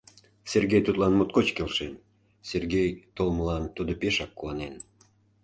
Сергей тудлан моткоч келшен, Сергей толмылан тудо пешак куанен.